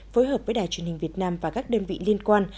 phối hợp với đài truyền hình việt nam và các đơn vị liên quan